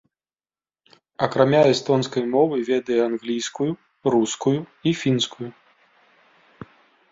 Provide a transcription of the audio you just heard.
Акрамя эстонскай мовы ведае англійскую, рускую і фінскую.